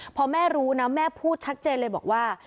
พอแม่รู้นะแม่พูดชัดเจนเลยบอกว่า